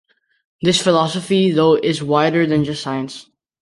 This philosophy, though, is wider than just science.